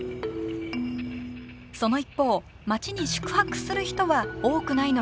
その一方町に宿泊する人は多くないのが現実です。